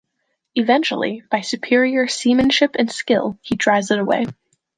Eventually, by superior seamanship and skill, he drives it away.